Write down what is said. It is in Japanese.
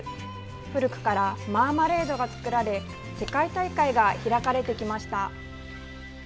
古くからマーマレードが作られ世界大会が開かれてきました。